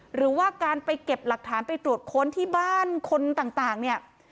หรือว่าการไปเก็บหลักฐานไปตรวจค้นที่บ้านคนต่างเนี่ย